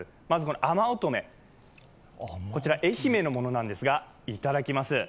あまおとめ、愛媛のものなんですがいただきます。